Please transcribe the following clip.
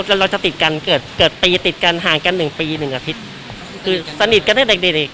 ก็สิบสิบสิบแปดอยู่ด้วยกันตลอดไปไหนไปด้วยกันนิสัยเหนื่อยกัน